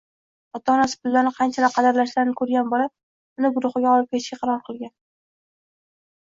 Ota-onasi pullarni qanchalar qadrlashlarini ko‘rgan bola uni guruhiga olib ketishga qaror qilgan.